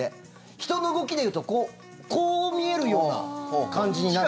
人の動きでいうとこう見えるような感じになる。